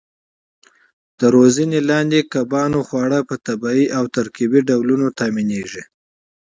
د روزنې لاندې کبانو خواړه په طبیعي او ترکیبي ډولونو تامینېږي.